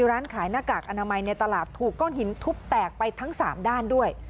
ร้านขายหน้ากากอนามัยในตลาดถูกก้อนหินทุบแตกไปทั้ง๓ด้านด้วย